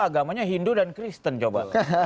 agamanya hindu dan kristen cobalah